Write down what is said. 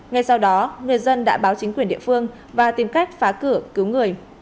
ngay sau đó người dân đã báo chính quyền địa phương và tìm cách phá cửa cứu người